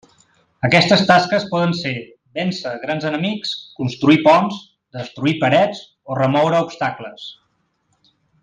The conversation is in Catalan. Aquestes tasques poden ser: vèncer grans enemics, construir ponts, destruir parets o remoure obstacles.